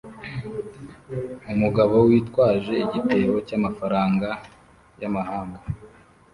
Umugabo witwaje igitebo cyamafaranga yamahanga